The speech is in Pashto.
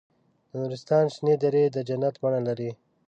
د نورستان شنې درې د جنت بڼه لري.